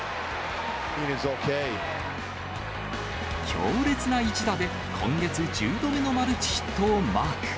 強烈な一打で今月１０度目のマルチヒットをマーク。